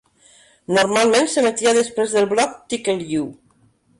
Normalment s'emetia després del bloc "Tickle-U".